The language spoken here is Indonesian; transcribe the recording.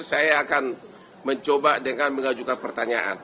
saya akan mencoba dengan mengajukan pertanyaan